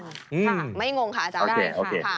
ค่ะไม่งงค่ะจำได้